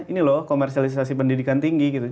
ini loh komersialisasi pendidikan tinggi gitu